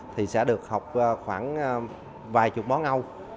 thì sẽ được học khoảng vài chục món âu